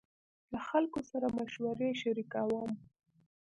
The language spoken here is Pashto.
له خلکو سره مشورې شريکوم.